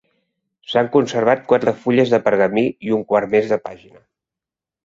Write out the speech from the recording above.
S'han conservat quatre fulles de pergamí i un quart més de pàgina.